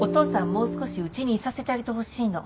もう少しうちにいさせてあげてほしいの。